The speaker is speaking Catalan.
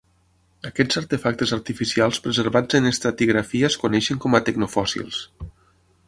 Aquests artefactes artificials preservats en estratigrafia es coneixen com a "tecnofòssils".